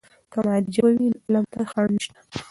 که مادي ژبه وي نو علم ته خنډ نسته.